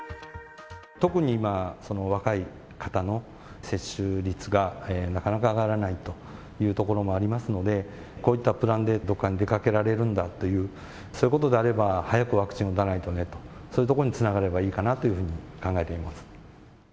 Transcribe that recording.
特に今、若い方の接種率がなかなか上がらないというところもありますので、こういったプランで、どこかに出かけられるんだと、そういうことであれば早くワクチン打たないとねと、そういうところにつながればいいかなというふうに考えています。